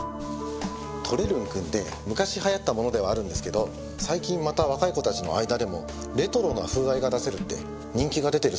撮れルン君って昔流行ったものではあるんですけど最近また若い子たちの間でもレトロな風合いが出せるって人気が出てるそうなんです。